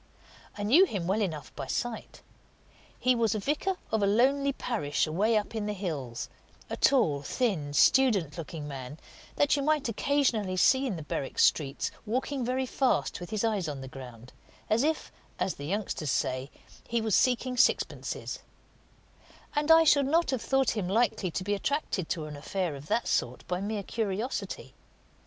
I knew him well enough by sight. He was a vicar of a lonely parish away up in the hills a tall, thin, student looking man that you might occasionally see in the Berwick streets, walking very fast with his eyes on the ground, as if, as the youngsters say, he was seeking sixpences; and I should not have thought him likely to be attracted to an affair of that sort by mere curiosity.